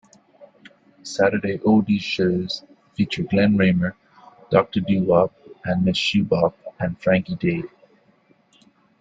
Saturday oldies shows feature Glenn Raymer, Doctor Doo-Wop and Ms. Shoo-Bop, and Frankie Day.